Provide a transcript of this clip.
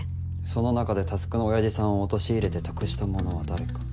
その中で匡の親父さんを陥れて得した者は誰か。